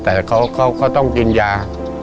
แต่เขาต้องกินยา